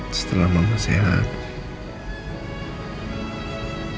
setelah mama sehat